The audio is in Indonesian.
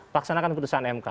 laksanakan putusan mk